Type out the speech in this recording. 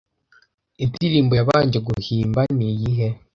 Indirimbo yabanje guhimba ni iyihe